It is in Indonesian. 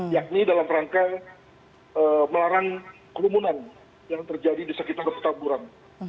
yakni dalam rangka melarang kerumunan yang terjadi di sekitar petamburan